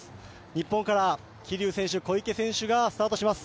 日本から、桐生選手小池選手がスタートします。